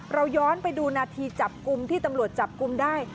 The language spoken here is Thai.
เราย้อนไปดูนาทีจับกลุ่มที่ตำรวจจับกลุ่มได้